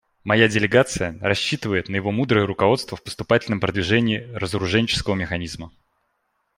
Моя делегация рассчитывает на его мудрое руководство в поступательном продвижении разоруженческого механизма.